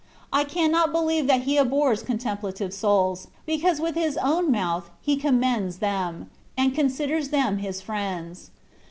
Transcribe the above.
I cannot believe that He abhors con templative souls, because with His own mouth He commends them, and considers them His friends.